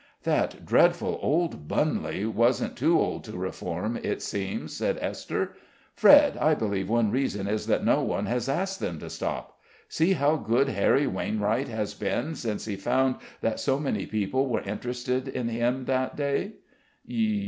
"That dreadful old Bunley wasn't too old to reform, it seems," said Esther. "Fred, I believe one reason is that no one has asked them to stop. See how good Harry Wainwright has been since he found that so many people were interested in him that day!"